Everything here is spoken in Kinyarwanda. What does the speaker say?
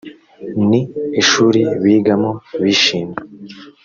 ni ishuri bigamo bishimye